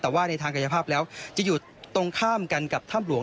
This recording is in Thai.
แต่ว่าในทางกับภาพแล้วจะตรงห้ามกับท่ำหลวง